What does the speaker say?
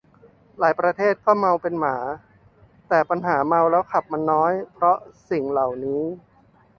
หลายประเทศก็เมาเป็นหมา แต่ปัญหาเมาแล้วขับมันน้อยเพราะสิ่งเหล่านี้